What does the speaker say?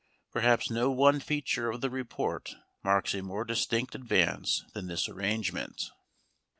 Perhaps no one feature of the report marks a more distinct advance than this arrangement.